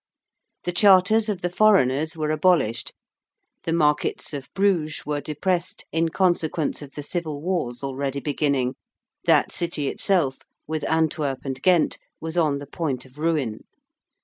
The charters of the foreigners were abolished: the markets of Bruges were depressed in consequence of the civil wars already beginning: that city itself, with Antwerp and Ghent, was on the point of ruin.